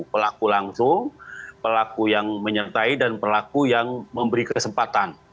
pelaku langsung pelaku yang menyertai dan pelaku yang memberi kesempatan